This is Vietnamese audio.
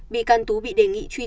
bị can tú bị đề nghị truy tìm